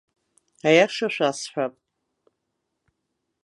Аиаша шәасҳәап.